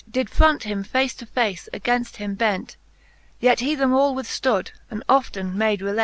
Did front him face to face againft him bent. Yet he them all withftood, and often made relent.